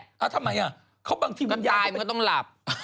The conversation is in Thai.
อ้าวทำไมอ่ะเขาบางทีวิญญาณการตายมึงก็ต้องหลับ